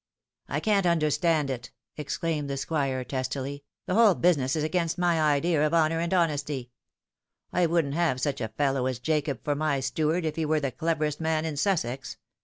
" I can't understand it," exclaimed the Squire testily ;" the whole business is against my idea of honour and honesty. I wouldn't have such a fellow as Jacob for my steward if he were the cleverest man in Sussex.